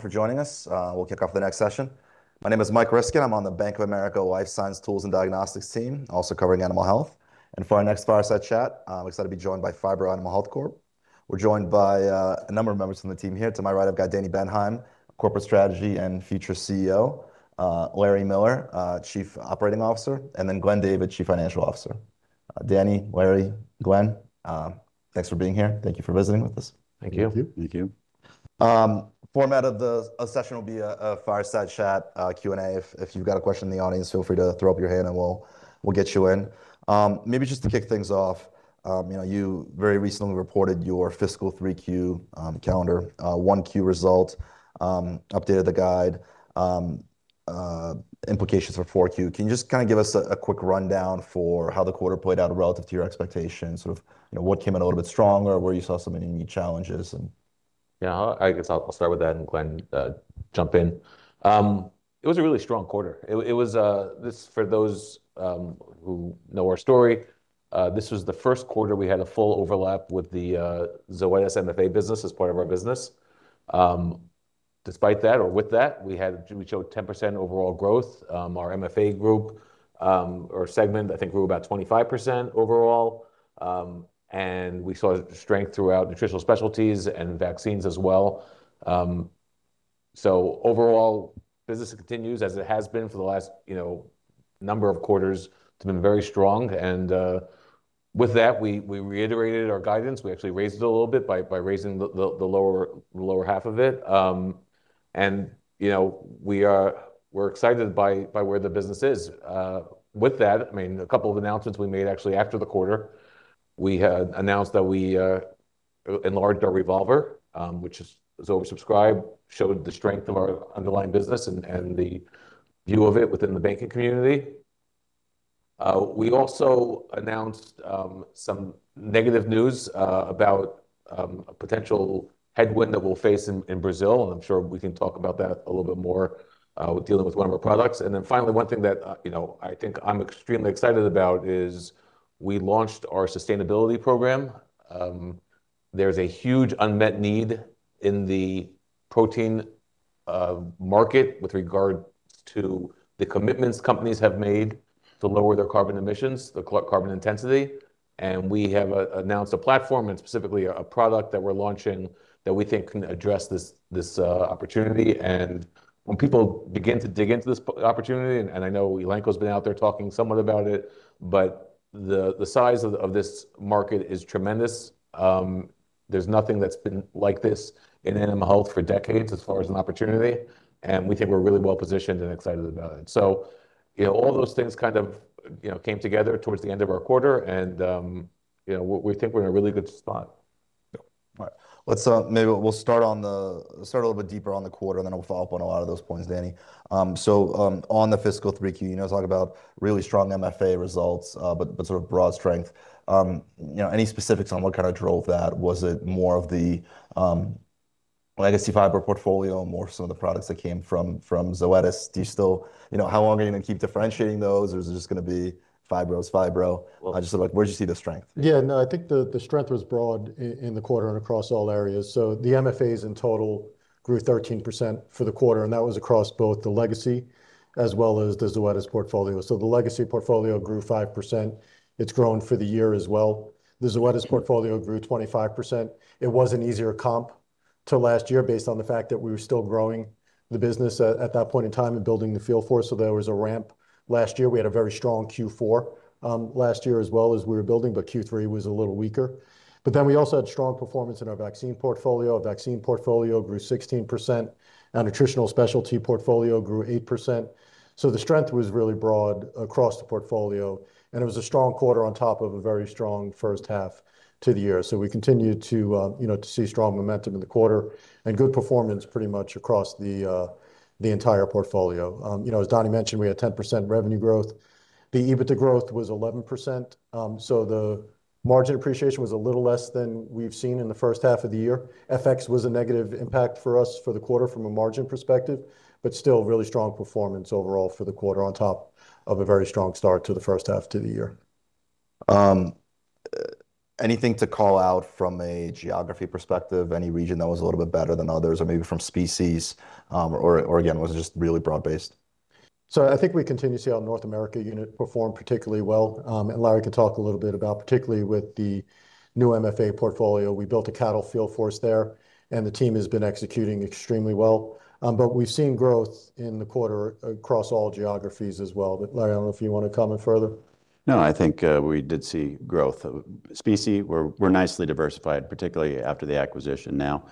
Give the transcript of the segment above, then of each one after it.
for joining us. We'll kick off the next session. My name is Mike Ryskin. I'm on the Bank of America Life Science Tools and Diagnostics team, also covering animal health. For our next fireside chat, we're excited to be joined by Phibro Animal Health Corporation. We're joined by a number of members from the team here. To my right, I've got Daniel Bendheim, Corporate Strategy and future CEO. Larry Miller, Chief Operating Officer, and then Glenn David, Chief Financial Officer. Dani, Larry, Glenn, thanks for being here. Thank you for visiting with us. Thank you. Thank you. Thank you. Format of the session will be a fireside chat, Q&A. If you've got a question in the audience, feel free to throw up your hand and we'll get you in. Maybe just to kick things off, you know, you very recently reported your fiscal 3Q, calendar 1Q result, updated the guide, implications for 4Q. Can you just kind of give us a quick rundown for how the quarter played out relative to your expectations, sort of, you know, what came in a little bit stronger, where you saw some unique challenges and. Yeah, I guess I'll start with that and Glenn, jump in. It was a really strong quarter. It was This, for those, who know our story, this was the first quarter we had a full overlap with the Zoetis MFA business as part of our business. Despite that or with that, we showed 10% overall growth. Our MFA group, or segment, I think grew about 25% overall. We saw strength throughout Nutritional Specialties and vaccines as well. Overall, business continues as it has been for the last, you know, number of quarters. It's been very strong and, with that, we reiterated our guidance. We actually raised it a little bit by raising the lower half of it. You know, we're excited by where the business is. With that, I mean, a couple of announcements we made actually after the quarter. We had announced that we enlarged our revolver, which is oversubscribed, showed the strength of our underlying business and the view of it within the banking community. We also announced some negative news about a potential headwind that we'll face in Brazil, and I'm sure we can talk about that a little bit more with dealing with one of our products. Finally, one thing that, you know, I think I'm extremely excited about is we launched our sustainability program. There's a huge unmet need in the protein market with regard to the commitments companies have made to lower their carbon emissions, the carbon intensity. We have announced a platform and specifically a product that we're launching that we think can address this opportunity. When people begin to dig into this opportunity, and I know Elanco's been out there talking somewhat about it, but the size of this market is tremendous. There's nothing that's been like this in animal health for decades as far as an opportunity, and we think we're really well-positioned and excited about it. You know, all those things kind of, you know, came together towards the end of our quarter and, you know, we think we're in a really good spot. All right. Let's maybe we'll start a little bit deeper on the quarter, and then we'll follow up on a lot of those points, Dani Bendheim. On the fiscal 3Q, you know, talk about really strong MFA results, but sort of broad strength. You know, any specifics on what kind of drove that? Was it more of the legacy Phibro portfolio, more some of the products that came from Zoetis? Do you still You know, how long are you gonna keep differentiating those? Is it just gonna be Phibro is Phibro? Just like where'd you see the strength? I think the strength was broad in the quarter and across all areas. The MFAs in total grew 13% for the quarter, and that was across both the legacy as well as the Zoetis portfolio. The legacy portfolio grew 5%. It's grown for the year as well. The Zoetis portfolio grew 25%. It was an easier comp to last year based on the fact that we were still growing the business at that point in time and building the field force, so there was a ramp. Last year, we had a very strong Q4 last year as well as we were building, Q3 was a little weaker. We also had strong performance in our vaccine portfolio. Vaccine portfolio grew 16%. Our Nutritional Specialties portfolio grew 8%. The strength was really broad across the portfolio, and it was a strong quarter on top of a very strong first half to the year. We continued to, you know, to see strong momentum in the quarter and good performance pretty much across the entire portfolio. You know, as Dani mentioned, we had 10% revenue growth. The EBITDA growth was 11%, the margin appreciation was a little less than we've seen in the first half of the year. FX was a negative impact for us for the quarter from a margin perspective, still really strong performance overall for the quarter on top of a very strong start to the first half to the year. Anything to call out from a geography perspective? Any region that was a little bit better than others, or maybe from species, or again, was it just really broad-based? I think we continue to see our North America unit perform particularly well, and Larry can talk a little bit about particularly with the new MFA portfolio. We built a cattle field force there, and the team has been executing extremely well. We've seen growth in the quarter across all geographies as well. Larry, I don't know if you want to comment further. No, I think, we did see growth. Species, we're nicely diversified, particularly after the acquisition now.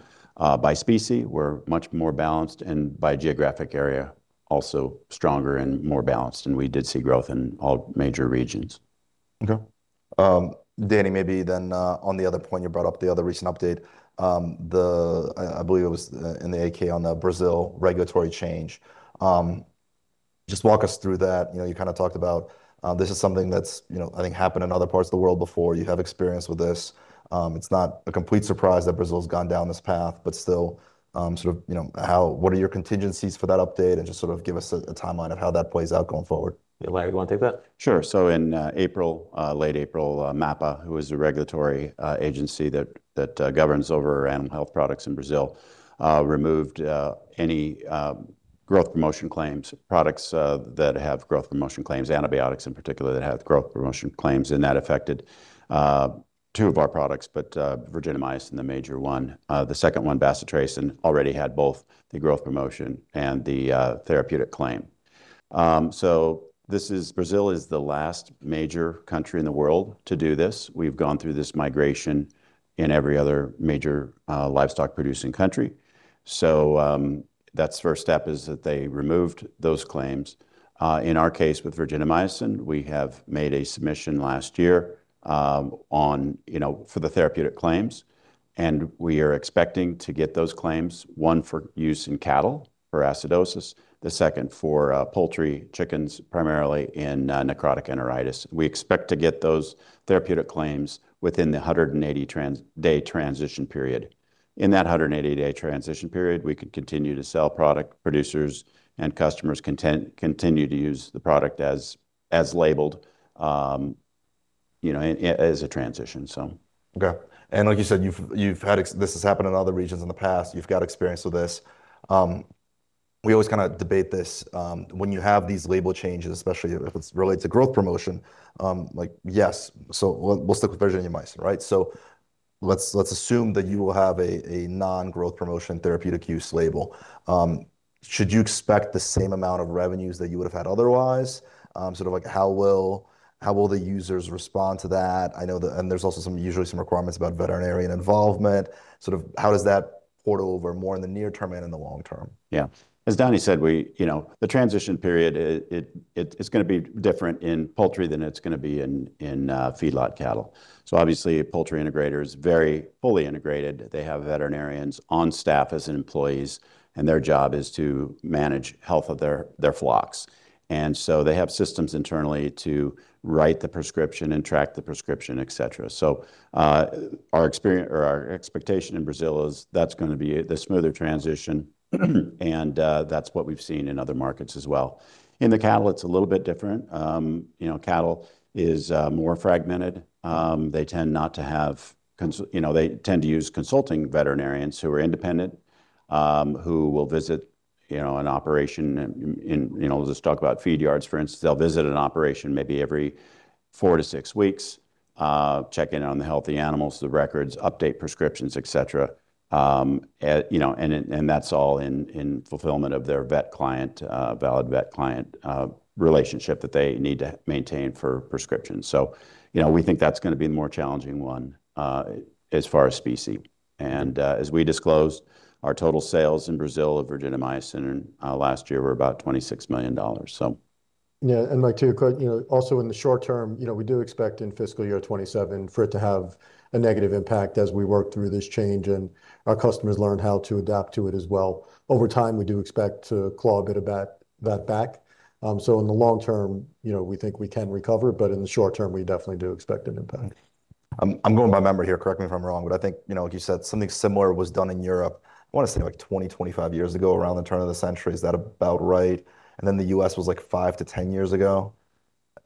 By specie, we're much more balanced, and by geographic area, also stronger and more balanced, and we did see growth in all major regions. Okay. Daniel Bendheim, on the other point you brought up, the other recent update, I believe it was in the 8-K on the Brazil regulatory change. Just walk us through that. You know, you kind of talked about, this is something that's, you know, I think happened in other parts of the world before. You have experience with this. It's not a complete surprise that Brazil's gone down this path, but still, sort of, you know, what are your contingencies for that update? Just sort of give us a timeline of how that plays out going forward. Yeah, Larry, you want to take that? Sure. In April, late April, MAPA, who is the regulatory agency that governs over animal health products in Brazil, removed any growth promotion claims, products that have growth promotion claims, antibiotics in particular that have growth promotion claims, that affected two of our products, but virginiamycin the major one. The second one, bacitracin, already had both the growth promotion and the therapeutic claim. Brazil is the last major country in the world to do this. We've gone through this migration in every other major livestock-producing country. That's first step is that they removed those claims. In our case with virginiamycin, we have made a submission last year, you know, for the therapeutic claims, we are expecting to get those claims, one for use in cattle for acidosis, the second for poultry, chickens primarily in necrotic enteritis. We expect to get those therapeutic claims within the 180-day transition period. In that 180-day transition period, we could continue to sell product. Producers and customers continue to use the product as labeled, you know, as a transition. Okay. Like you said, you've had this has happened in other regions in the past. You've got experience with this. We always kind of debate this. When you have these label changes, especially if it's related to growth promotion, yes, what's the virginiamycin, right? Let's assume that you will have a non-growth promotion therapeutic use label. Should you expect the same amount of revenues that you would have had otherwise? Sort of like how will the users respond to that? There's also some, usually some requirements about veterinarian involvement. Sort of how does that port over more in the near term and in the long term? Yeah. As Daniel Bendheim said, we, you know, the transition period it's gonna be different in poultry than it's gonna be in feedlot cattle. Obviously, poultry integrator is very fully integrated. They have veterinarians on staff as employees, and their job is to manage health of their flocks. They have systems internally to write the prescription and track the prescription, et cetera. Our experience or our expectation in Brazil is that's gonna be the smoother transition, that's what we've seen in other markets as well. In the cattle, it's a little bit different. You know, cattle is more fragmented. They tend not to have, you know, they tend to use consulting veterinarians who are independent, who will visit, you know, an operation, you know, let's talk about feed yards for instance. They'll visit an operation maybe every four to six weeks, check in on the healthy animals, the records, update prescriptions, et cetera. You know, and that's all in fulfillment of their vet client, valid vet-client, relationship that they need to maintain for prescriptions. We think that's gonna be the more challenging one, as far as specie. As we disclosed, our total sales in Brazil of virginiamycin last year were about $26 million. Yeah. Mike too, quite, you know, also in the short term, you know, we do expect in fiscal year 2027 for it to have a negative impact as we work through this change and our customers learn how to adapt to it as well. Over time, we do expect to claw a bit of that back. In the long term, you know, we think we can recover, but in the short term, we definitely do expect an impact. I'm going by memory here, correct me if I'm wrong, but I think, you know, like you said, something similar was done in Europe, I wanna say like 20, 25 years ago around the turn of the century. Is that about right? Then the U.S. was like five to 10 years ago. Am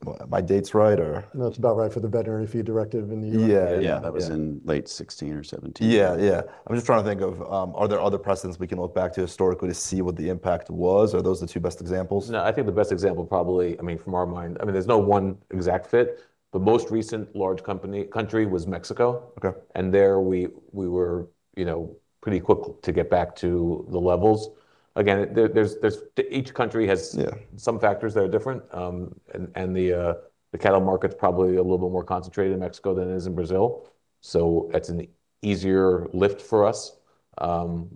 I, are my dates right or? No, it's about right for the Veterinary Feed Directive in the U.S. Yeah. Yeah. That was in late 2016 or 2017. Yeah, yeah. I'm just trying to think of, are there other precedents we can look back to historically to see what the impact was, or are those the two best examples? No. I think the best example probably, I mean, from our mind, I mean, there's no one exact fit. The most recent large company, country was Mexico. Okay. There we were, you know, pretty quick to get back to the levels. Yeah. Some factors that are different. The cattle market's probably a little bit more concentrated in Mexico than it is in Brazil. It's an easier lift for us. You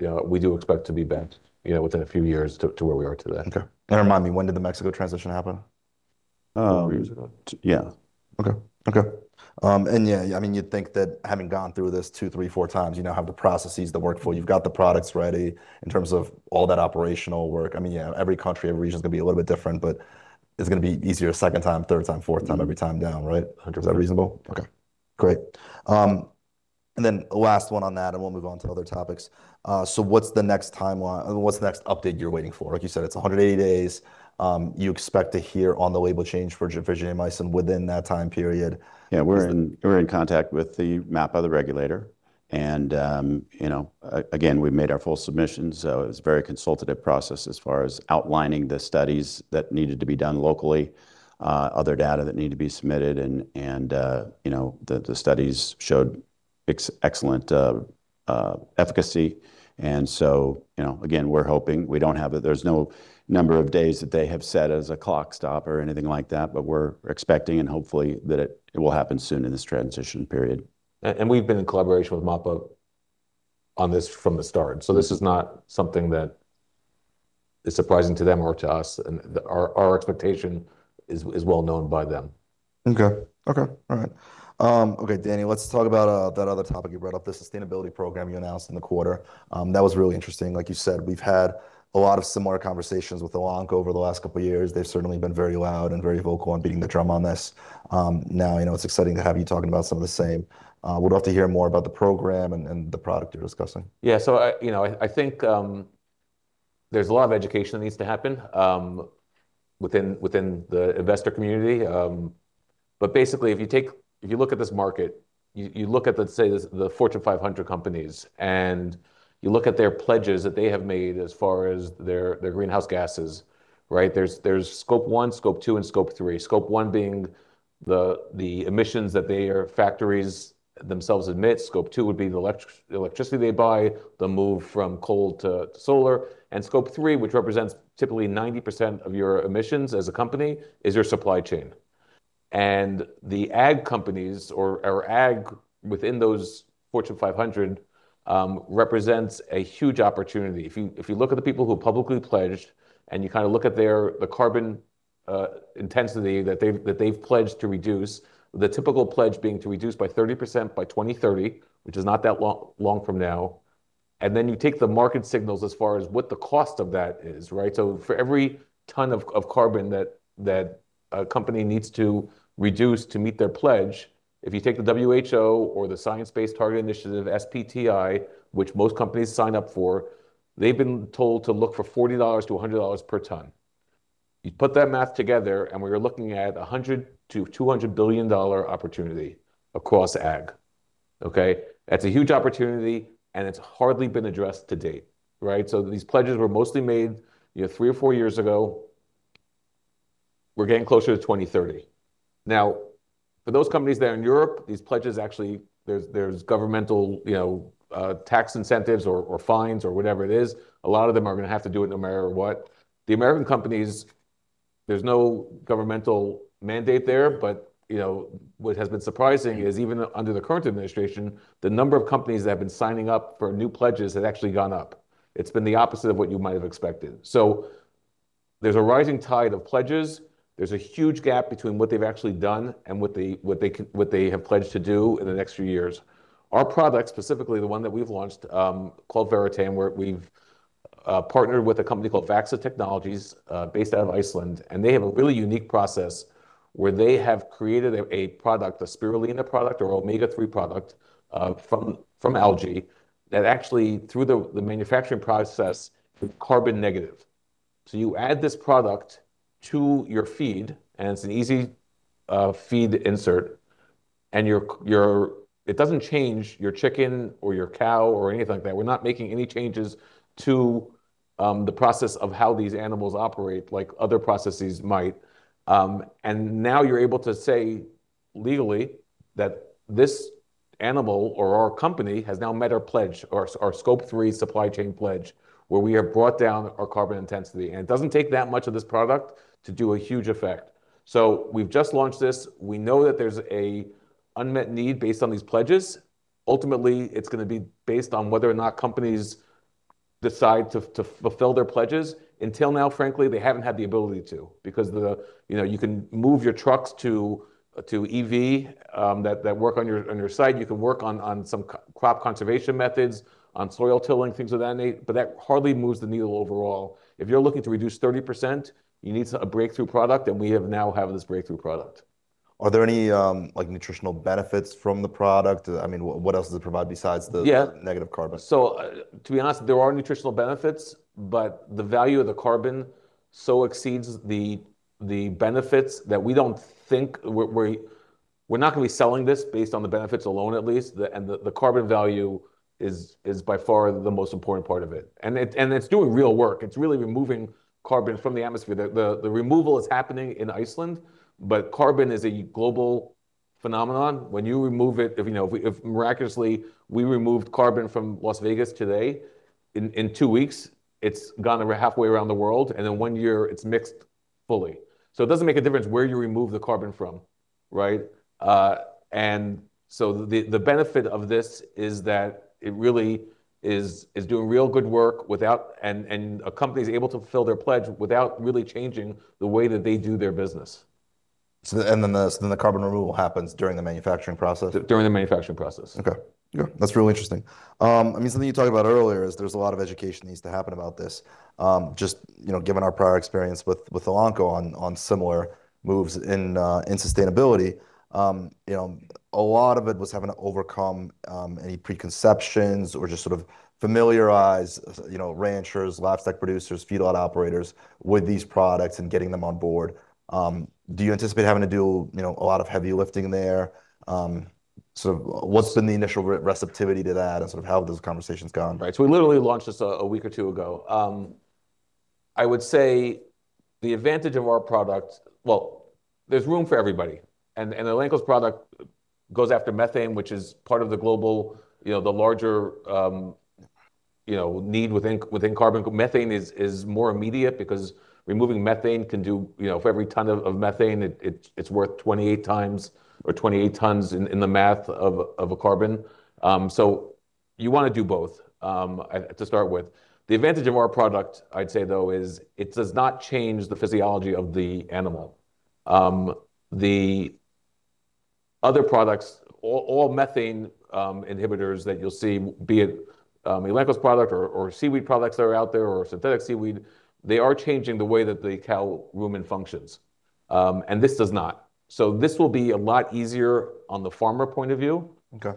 know, we do expect to be back, you know, within a few years to where we are today. Okay. Remind me, when did the Mexico transition happen? Four years ago. Yeah. Okay. Okay. Yeah, I mean, you'd think that having gone through this two, three, four times, you now have the processes, the workflow, you've got the products ready in terms of all that operational work. I mean, yeah, every country, every region's gonna be a little bit different, but it's gonna be easier a second time, third time, fourth time, every time down, right? 100%. Is that reasonable? Okay, great. Last one on that, and we'll move on to other topics. What's the next timeline? What's the next update you're waiting for? Like you said, it's 180 days. You expect to hear on the label change for virginiamycin within that time period. Yeah. We're in contact with the MAPA, the regulator, and, you know, again, we've made our full submissions, so it was a very consultative process as far as outlining the studies that needed to be done locally, other data that need to be submitted and, you know, the studies showed excellent efficacy. You know, again, we're hoping. We don't have a There's no number of days that they have set as a clock stop or anything like that, but we're expecting and hopefully that it will happen soon in this transition period. We've been in collaboration with MAPA on this from the start. This is not something that is surprising to them or to us, and our expectation is well known by them. Okay. Okay. All right. Okay, Daniel, let's talk about that other topic you brought up, the sustainability program you announced in the quarter. That was really interesting. Like you said, we've had a lot of similar conversations with Elanco over the last couple of years. They've certainly been very loud and very vocal on beating the drum on this. Now, you know, it's exciting to have you talking about some of the same. We'd love to hear more about the program and the product you're discussing. Yeah. I, you know, I think, there's a lot of education that needs to happen within the investor community. Basically, if you take, if you look at this market, you look at, let's say, the Fortune 500 companies, and you look at their pledges that they have made as far as their greenhouse gases, right? There's Scope 1, Scope 2, and Scope 3. Scope 1 being the emissions that their factories themselves emit. Scope 2 would be the electricity they buy, the move from coal to solar. Scope 3, which represents typically 90% of your emissions as a company, is your supply chain. The ag companies or ag within those Fortune 500, represents a huge opportunity. If you look at the people who publicly pledged, and you kinda look at their, the carbon intensity that they've pledged to reduce, the typical pledge being to reduce by 30% by 2030, which is not that long from now, and then you take the market signals as far as what the cost of that is, right? For every ton of carbon that a company needs to reduce to meet their pledge, if you take the WHO or the Science Based Targets initiative, SBTi, which most companies sign up for, they've been told to look for $40-$100 per ton. You put that math together, we are looking at $100 billion-$200 billion opportunity across ag, okay? That's a huge opportunity, it's hardly been addressed to date, right? These pledges were mostly made, you know, three or four years ago. We're getting closer to 2030. For those companies there in Europe, these pledges actually, there's governmental, you know, tax incentives or fines or whatever it is. A lot of them are gonna have to do it no matter what. The American companies, there's no governmental mandate there. You know, what has been surprising is even under the current administration, the number of companies that have been signing up for new pledges has actually gone up. It's been the opposite of what you might have expected. There's a rising tide of pledges. There's a huge gap between what they've actually done and what they have pledged to do in the next few years. Our product, specifically the one that we've launched, called Verratain, where we've partnered with a company called VAXA Technologies, based out of Iceland, and they have a really unique process where they have created a product, a spirulina product or omega-3 product, from algae that actually, through the manufacturing process, is carbon negative. You add this product to your feed, and it's an easy feed insert, and it doesn't change your chicken or your cow or anything like that. We're not making any changes to the process of how these animals operate like other processes might. Now you're able to say legally that this animal or our company has now met our pledge, or our Scope 3 supply chain pledge, where we have brought down our carbon intensity, and it doesn't take that much of this product to do a huge effect. We've just launched this. We know that there's a unmet need based on these pledges. Ultimately, it's gonna be based on whether or not companies decide to fulfill their pledges. Until now, frankly, they haven't had the ability to because the You know, you can move your trucks to EV that work on your site. You can work on some crop conservation methods, on soil tilling, things of that nature, but that hardly moves the needle overall. If you're looking to reduce 30%, you need a breakthrough product, and we now have this breakthrough product. Are there any, like, nutritional benefits from the product? I mean, what else does it provide? Yeah. Negative carbon? To be honest, there are nutritional benefits, but the value of the carbon so exceeds the benefits that we don't think we're not gonna be selling this based on the benefits alone, at least. The carbon value is by far the most important part of it, and it's doing real work. It's really removing carbon from the atmosphere. The removal is happening in Iceland, but carbon is a global phenomenon. When you remove it, if miraculously we removed carbon from Las Vegas today, in two weeks it's gone around, halfway around the world, and in one year it's mixed fully. It doesn't make a difference where you remove the carbon from, right? The benefit of this is that it really is doing real good work without. A company's able to fulfill their pledge without really changing the way that they do their business. The carbon removal happens during the manufacturing process? During the manufacturing process. Okay. Yeah, that's real interesting. I mean, something you talked about earlier is there's a lot of education needs to happen about this. Just, you know, given our prior experience with Elanco on similar moves in sustainability, you know, a lot of it was having to overcome any preconceptions or just sort of familiarize, you know, ranchers, livestock producers, feedlot operators with these products and getting them on board. Do you anticipate having to do, you know, a lot of heavy lifting there? Sort of what's been the initial receptivity to that, and sort of how have those conversations gone? Right. We literally launched this a week or two ago. I would say the advantage of our product, there's room for everybody, and Elanco's product goes after methane, which is part of the global, the larger need within carbon. Methane is more immediate because removing methane can do for every ton of methane, it's worth 28 times or 28 tons in the math of a carbon. You wanna do both to start with. The advantage of our product, I'd say, though, is it does not change the physiology of the animal. The other products, all methane inhibitors that you'll see, be it, Elanco's product or seaweed products that are out there or synthetic seaweed, they are changing the way that the cow rumen functions, and this does not. This will be a lot easier on the farmer point of view. Okay.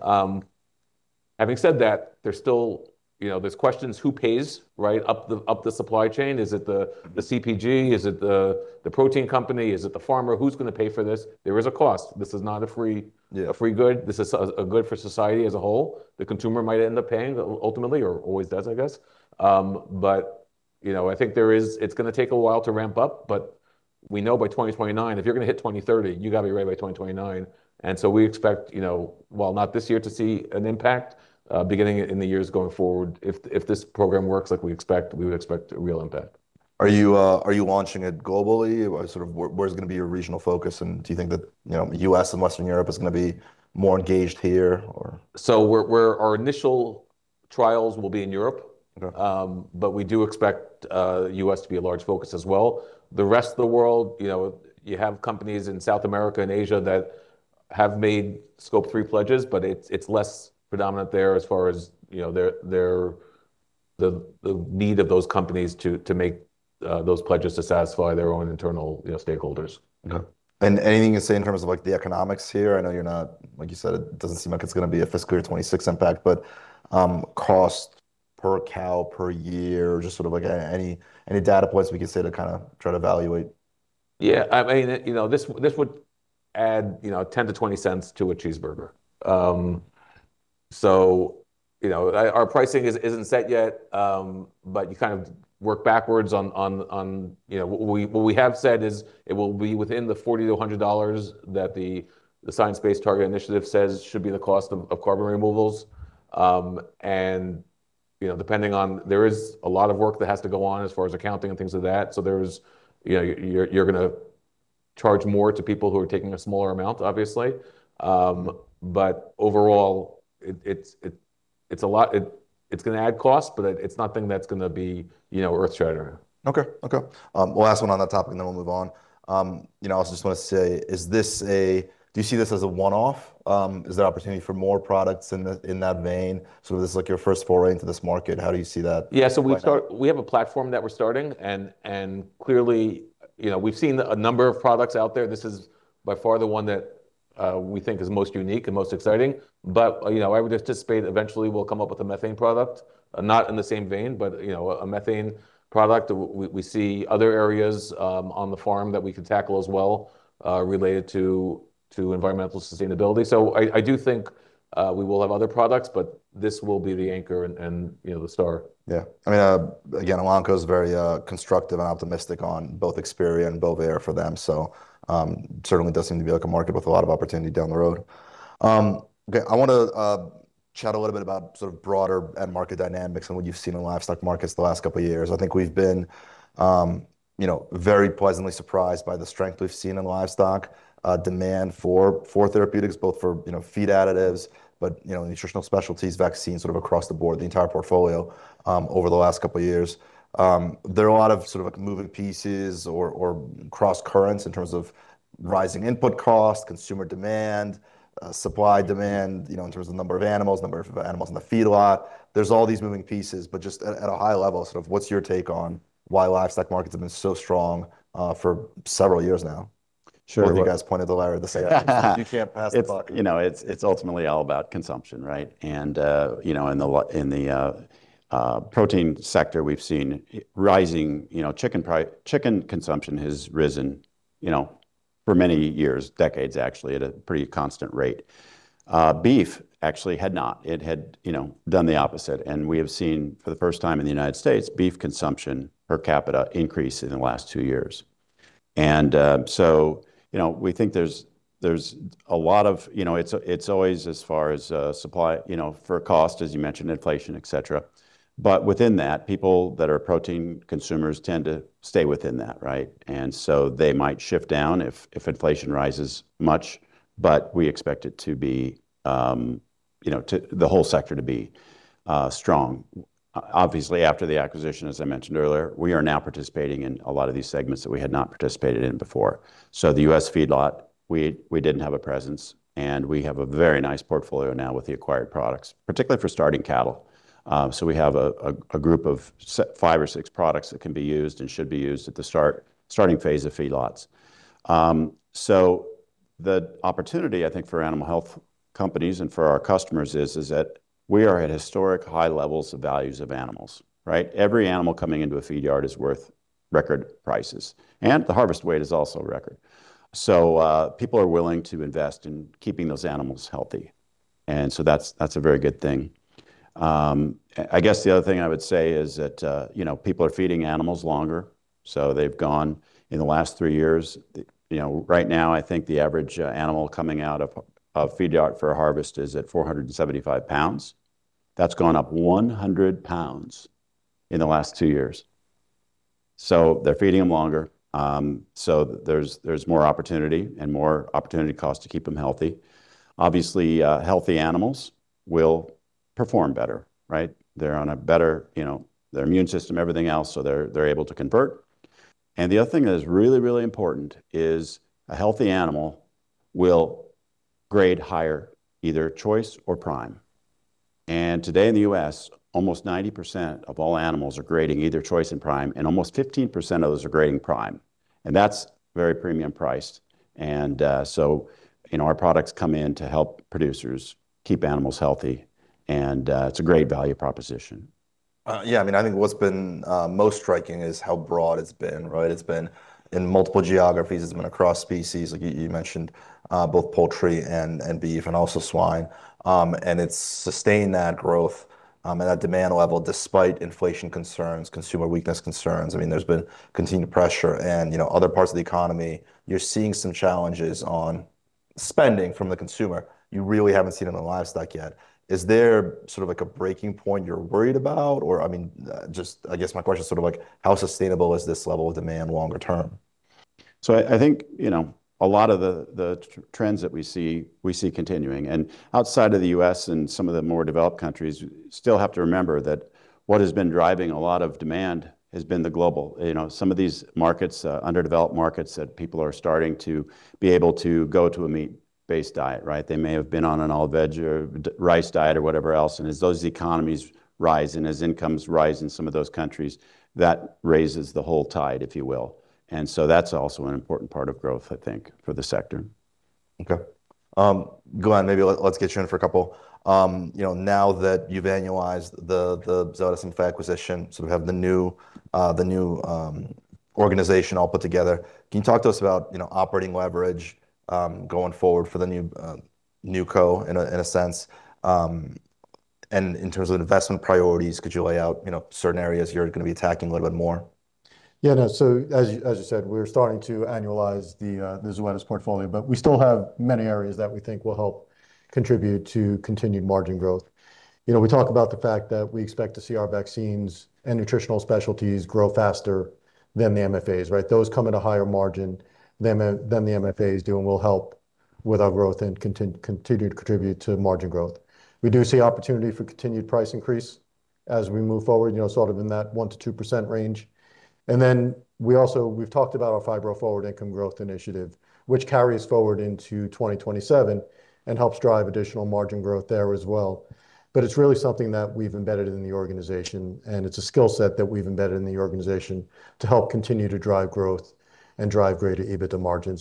Having said that, there's still, you know, there's questions who pays, right, up the, up the supply chain? Is it the CPG? Is it the protein company? Is it the farmer? Who's gonna pay for this? There is a cost. This is not a free. Yeah. A free good. This is a good for society as a whole. The consumer might end up paying ultimately or always does, I guess. You know, I think it's going to take a while to ramp up. We know by 2029, if you're going to hit 2030, you have to be ready by 2029. We expect, you know, while not this year to see an impact, beginning in the years going forward if this program works like we expect, we would expect a real impact. Are you launching it globally? Sort of where's gonna be your regional focus, and do you think that, you know, U.S. and Western Europe is gonna be more engaged here or? Our initial trials will be in Europe. Okay. We do expect U.S. to be a large focus as well. The rest of the world, you have companies in South America and Asia that have made Scope 3 pledges, but it's less predominant there as far as their need of those companies to make those pledges to satisfy their own internal stakeholders. Okay. Anything to say in terms of, like, the economics here? I know you're not Like you said, it doesn't seem like it's going to be a fiscal year 2026 impact, but cost per cow per year or just sort of any data points we could say to kind of try to evaluate? Yeah. I mean, you know, this would add, you know, $0.10-$0.20 to a cheeseburger. You know, our pricing isn't set yet, but you kind of work backwards on You know, what we have said is it will be within the $40-$100 that the Science Based Targets initiative says should be the cost of carbon removals. You know, there is a lot of work that has to go on as far as accounting and things of that, so there's You know, you're gonna charge more to people who are taking a smaller amount obviously. Overall, it's gonna add cost, but it's nothing that's gonna be, you know, earth-shattering. Okay. Okay. Well, last one on that topic, and then we'll move on. You know, I just wanna say, Do you see this as a one-off? Is there opportunity for more products in that vein? Is this, like, your first foray into this market? How do you see that playing out? Yeah, we have a platform that we're starting, and clearly, you know, we've seen a number of products out there. This is by far the one that we think is most unique and most exciting. You know, I would anticipate eventually we'll come up with a methane product, not in the same vein, but, you know, a methane product. We see other areas on the farm that we could tackle as well, related to environmental sustainability. I do think we will have other products, but this will be the anchor and, you know, the star. Yeah. I mean, again, Elanco's very constructive and optimistic on both Experior and Bovaer for them, so, certainly does seem to be, like, a market with a lot of opportunity down the road. Okay, I wanna chat a little bit about sort of broader end market dynamics and what you've seen in livestock markets the last couple years. I think we've been, you know, very pleasantly surprised by the strength we've seen in livestock, demand for therapeutics, both for, you know, feed additives, but, you know, Nutritional Specialties, vaccines, sort of across the board, the entire portfolio, over the last couple years. There are a lot of sort of, like, moving pieces or cross currents in terms of rising input costs, consumer demand, supply, demand, you know, in terms of the number of animals, number of animals in the feedlot. There's all these moving pieces, but just at a high level, sort of what's your take on why livestock markets have been so strong for several years now? Sure, where do you guys point the ladder this afternoon? You can't pass the buck. It's, you know, it's ultimately all about consumption, right? You know, in the protein sector, we've seen rising, you know, chicken consumption has risen, you know, for many years, decades actually, at a pretty constant rate. Beef actually had not. It had, you know, done the opposite, and we have seen for the first time in the U.S. beef consumption per capita increase in the last two years. You know, we think there's a lot of, you know, it's always as far as supply, you know, for cost, as you mentioned, inflation, et cetera. Within that, people that are protein consumers tend to stay within that, right? They might shift down if inflation rises much, but we expect it to be, you know, the whole sector to be strong. Obviously after the acquisition, as I mentioned earlier, we are now participating in a lot of these segments that we had not participated in before. The U.S. feedlot, we didn't have a presence, and we have a very nice portfolio now with the acquired products, particularly for starting cattle. We have a group of five or six products that can be used and should be used at the starting phase of feedlots. The opportunity, I think, for animal health companies and for our customers is that we are at historic high levels of values of animals, right? Every animal coming into a feed yard is worth record prices, and the harvest weight is also record. People are willing to invest in keeping those animals healthy, that's a very good thing. I guess the other thing I would say is that, you know, people are feeding animals longer, so they've gone in the last three years, you know, right now I think the average animal coming out of a feed yard for a harvest is at 475 lbs. That's gone up 100 lbs in the last two years. They're feeding them longer, so there's more opportunity and more opportunity cost to keep them healthy. Obviously, healthy animals will perform better, right. They're on a better, you know, their immune system, everything else, so they're able to convert. The other thing that is really, really important is a healthy animal will grade higher either Choice or Prime. Today in the U.S., almost 90% of all animals are grading either Choice and Prime, and almost 15% of those are grading Prime. That's very premium priced. So, you know, our products come in to help producers keep animals healthy and it's a great value proposition. Yeah, I mean, I think what's been most striking is how broad it's been, right? It's been in multiple geographies, it's been across species, like you mentioned, both poultry and beef, and also swine. It's sustained that growth, and that demand level despite inflation concerns, consumer weakness concerns. I mean, there's been continued pressure and, you know, other parts of the economy. You're seeing some challenges on spending from the consumer you really haven't seen in the livestock yet. Is there sort of like a breaking point you're worried about? Or, I mean, just I guess my question's sort of like how sustainable is this level of demand longer term? I think, you know, a lot of the trends that we see continuing. Outside of the U.S. and some of the more developed countries, still have to remember that what has been driving a lot of demand has been the global. You know, some of these markets, underdeveloped markets that people are starting to be able to go to a meat-based diet, right? They may have been on an all veg or rice diet or whatever else, and as those economies rise and as incomes rise in some of those countries, that raises the whole tide, if you will. That's also an important part of growth, I think, for the sector. Okay. Glenn, maybe let's get you in for a couple. You know, now that you've annualized the Zoetis and Phibro acquisition, so we have the new organization all put together, can you talk to us about, you know, operating leverage going forward for the new co in a sense? In terms of investment priorities, could you lay out, you know, certain areas you're gonna be attacking a little bit more? Yeah, no. As you, as you said, we're starting to annualize the Zoetis portfolio. We still have many areas that we think will help contribute to continued margin growth. You know, we talk about the fact that we expect to see our vaccines and Nutritional Specialties grow faster than the MFAs, right? Those come at a higher margin than the MFAs do and will help with our growth and continue to contribute to margin growth. We do see opportunity for continued price increase as we move forward, you know, sort of in that 1%-2% range. We also, we've talked about our Phibro Forward income growth initiative, which carries forward into 2027 and helps drive additional margin growth there as well. It's really something that we've embedded in the organization, and it's a skill set that we've embedded in the organization to help continue to drive growth and drive greater EBITDA margin.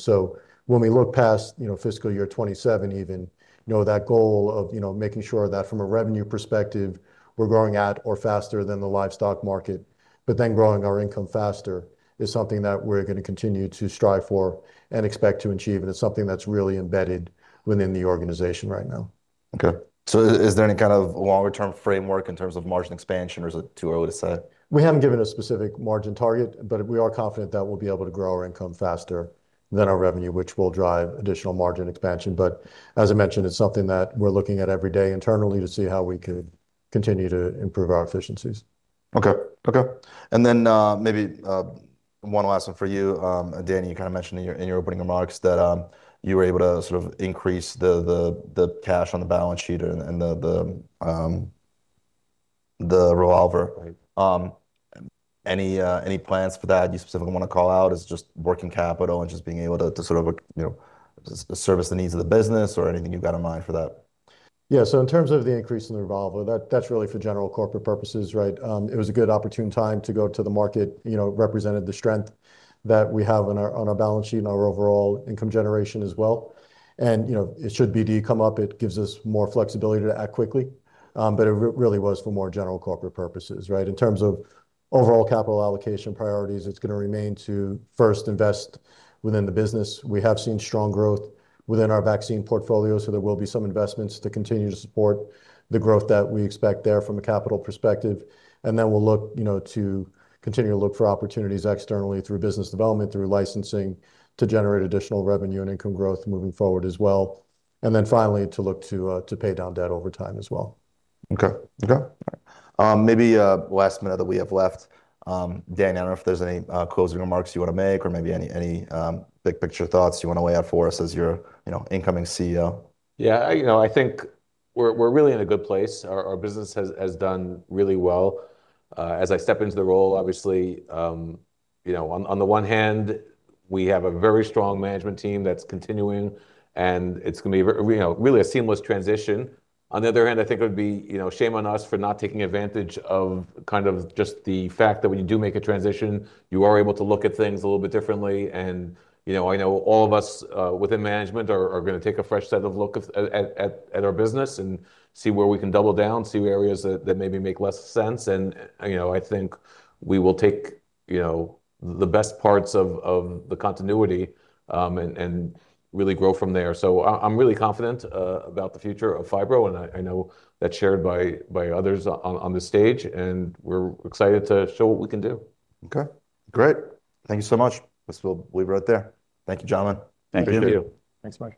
When we look past, you know, fiscal year 2027 even, you know, that goal of, you know, making sure that from a revenue perspective we're growing at or faster than the livestock market, but then growing our income faster is something that we're gonna continue to strive for and expect to achieve, and it's something that's really embedded within the organization right now. Okay. Is there any kind of longer term framework in terms of margin expansion or is it too early to say? We haven't given a specific margin target, but we are confident that we'll be able to grow our income faster than our revenue, which will drive additional margin expansion. As I mentioned, it's something that we're looking at every day internally to see how we could continue to improve our efficiencies. Okay. Okay. Maybe one last one for you. Dani, you kind of mentioned in your opening remarks that you were able to sort of increase the cash on the balance sheet and the revolver. Right. Any plans for that you specifically want to call out as just working capital and just being able to sort of, just service the needs of the business or anything you've got in mind for that? Yeah. In terms of the increase in the revolver, that's really for general corporate purposes, right? It was a good opportune time to go to the market. You know, it represented the strength that we have on our balance sheet and our overall income generation as well. You know, should BD come up, it gives us more flexibility to act quickly. It really was for more general corporate purposes, right? In terms of overall capital allocation priorities, it's gonna remain to first invest within the business. We have seen strong growth within our vaccine portfolio, there will be some investments to continue to support the growth that we expect there from a capital perspective. Then we'll look, you know, to continue to look for opportunities externally through business development, through licensing, to generate additional revenue and income growth moving forward as well. Then finally, to look to pay down debt over time as well. Okay. Okay. All right. Maybe, last minute that we have left, Dan, I don't know if there's any closing remarks you want to make or maybe any big picture thoughts you want to lay out for us as your, you know, incoming CEO? Yeah. You know, I think we're really in a good place. Our, our business has done really well. As I step into the role, obviously, you know, on the one hand we have a very strong management team that's continuing and it's gonna be you know, really a seamless transition. On the other hand, I think it would be, you know, shame on us for not taking advantage of kind of just the fact that when you do make a transition, you are able to look at things a little bit differently. You know, I know all of us within management are gonna take a fresh set of look at our business and see where we can double down, see areas that maybe make less sense. You know, I think we will take, you know, the best parts of the continuity and really grow from there. I'm really confident about the future of Phibro and I know that's shared by others on this stage, and we're excited to show what we can do. Okay. Great. Thank you so much. Guess we'll leave it right there. Thank you, gentlemen. Thank you. Good to be here. Thanks, Mike Ryskin.